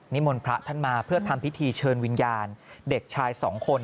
มนต์พระท่านมาเพื่อทำพิธีเชิญวิญญาณเด็กชายสองคน